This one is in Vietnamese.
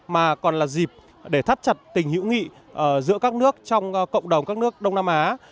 mà còn là dịp để thắt chặt tình hữu nghị giữa các nước trong cộng đồng các nước đông nam á